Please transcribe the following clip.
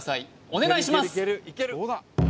お願いします